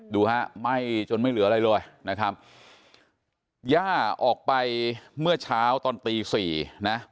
ดูฮะไหม้จนไม่เหลืออะไรเลยนะครับย่าออกไปเมื่อเช้าตอนตีสี่นะ